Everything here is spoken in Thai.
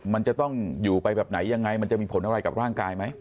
มันจะต้องอยู่ไปแบบไหนยังไงมันจะมีผลอะไรกับร่างกายไหม